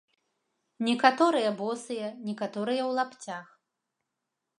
Некаторыя босыя, некаторыя ў лапцях.